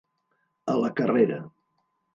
A la carrera.